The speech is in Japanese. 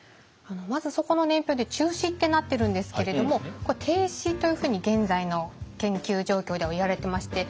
まずそこの年表で中止ってなってるんですけれどもこれ停止というふうに現在の研究状況ではいわれてまして。